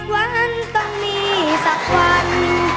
มาเธอด้วย